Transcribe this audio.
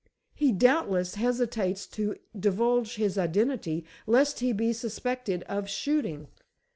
He, doubtless, hesitates to divulge his identity lest he be suspected of shooting."